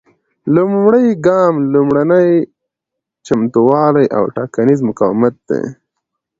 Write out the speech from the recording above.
لومړی ګام لومړني چمتووالي او ټاکنیز مقاومت دی.